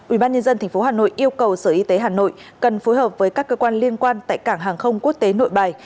ubnd tp hà nội yêu cầu sở y tế hà nội cần phối hợp với các cơ quan liên quan tại cảng hàng không quốc tế nội bài